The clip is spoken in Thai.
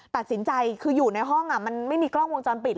ตัดสินใจคืออยู่ในห้องมันไม่มีกล้องวงจรปิด